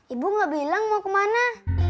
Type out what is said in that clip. ibu gak bilang mau kemana